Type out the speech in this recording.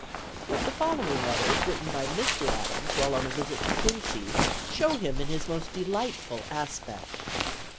The following letters, written by Mr. Adams while on a visit to Quincy, show him in his most delightful aspect.